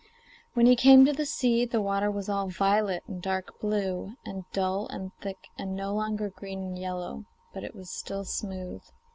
When he came to the sea, the water was all violet and dark blue, and dull and thick, and no longer green and yellow, but it was still smooth.